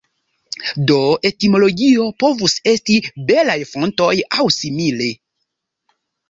Do etimologio povus esti belaj fontoj aŭ simile.